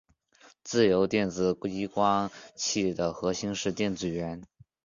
自由电子激光器的核心是电子源。